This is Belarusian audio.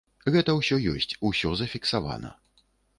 Гэта ўсё ёсць, усё зафіксавана.